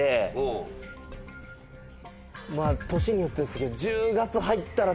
年によってですけど。